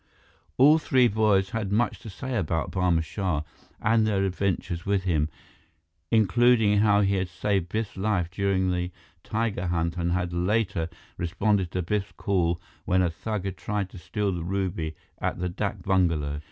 All three boys had much to say about Barma Shah and their adventures with him, including how he had saved Biff's life during the tiger hunt and had later responded to Biff's call when a thug had tried to steal the ruby at the dak bungalow.